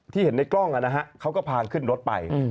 ที่เห็นในกล้องอ่ะนะฮะเขาก็พาเขาขึ้นรถไป